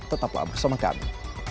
tetaplah bersama kami